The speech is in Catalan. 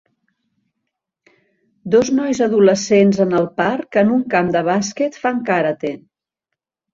Dos nois adolescents en el parc en un camp de bàsquet fan karate.